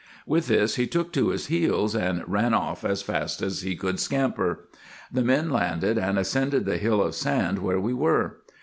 With this lie took to his heels, and ran off as fast as he could scamper. The men landed, and ascended the hill of sand where we were.